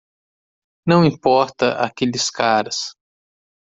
Não importa aqueles caras.